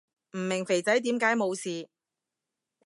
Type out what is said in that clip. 唔明肥仔點解冇事